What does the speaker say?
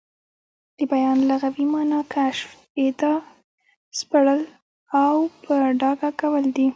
د بیان لغوي مانا کشف، ايضاح، سپړل او په ډاګه کول دي.